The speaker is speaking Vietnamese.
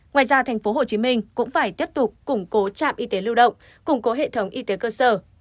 ngoài ra tp hcm cũng phải tiếp tục củng cố trạm y tế lưu động củng cố hệ thống y tế cơ sở